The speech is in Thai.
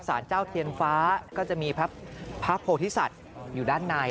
สารเจ้าเทียนฟ้าก็จะมีพระโพธิสัตว์อยู่ด้านใน